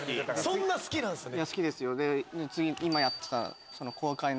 そんな好きなんですね。